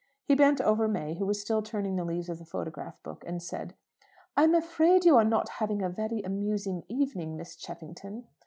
He bent over May, who was still turning the leaves of the photograph book, and said, "I'm afraid you are not having a very amusing evening, Miss Cheffington."